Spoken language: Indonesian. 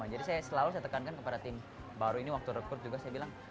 jadi selalu saya tekankan kepada tim baru ini waktu rekrut juga saya bilang